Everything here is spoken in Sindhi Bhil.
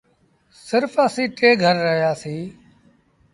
سرڦ اَسيٚݩ ٽي گھر رهيآ سيٚݩ۔